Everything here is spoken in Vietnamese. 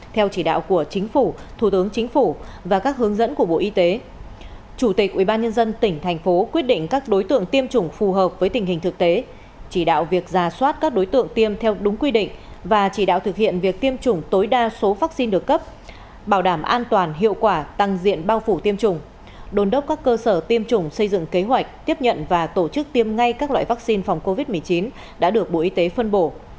theo chỉ đạo của chính phủ thủ tướng chính phủ và các hướng dẫn của bộ y tế chủ tịch ubnd tỉnh thành phố quyết định các đối tượng tiêm chủng phù hợp với tình hình thực tế chỉ đạo việc ra soát các đối tượng tiêm theo đúng quy định và chỉ đạo thực hiện việc tiêm chủng tối đa số vaccine được cấp bảo đảm an toàn hiệu quả tăng diện bao phủ tiêm chủng đồn đốc các cơ sở tiêm chủng xây dựng kế hoạch tiếp nhận và tổ chức tiêm ngay các loại vaccine phòng covid một mươi chín đã được bộ y tế phân bổ